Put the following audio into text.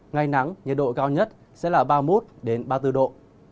ngày nắng nhiệt độ cao nhất sẽ là ba mươi một ba mươi bốn độ